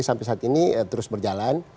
sampai saat ini terus berjalan